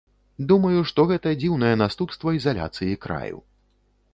Думаю, што гэта дзіўнае наступства ізаляцыі краю.